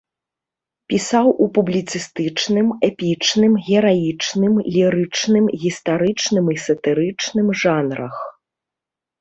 Пісаў у публіцыстычным, эпічным, гераічным, лірычным, гістарычным і сатырычным жанрах.